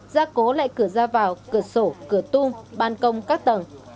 gia cố lại cửa ra vào cửa sổ cửa tung ban công các tầng